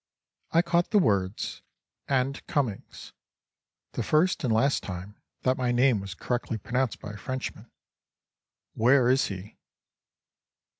I caught the words: "And Cummings" (the first and last time that my name was correctly pronounced by a Frenchman), "where is he?"